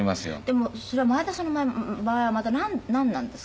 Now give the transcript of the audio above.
でもそれは前田さんの場合はまたなんなんですか？